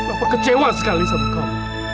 apa kecewa sekali sama kamu